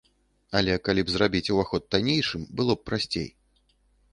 Але калі б зрабіць уваход таннейшым, было б прасцей.